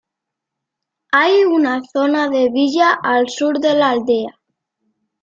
Hay una zona de villa al sur de la aldea.